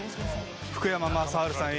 福山雅治さん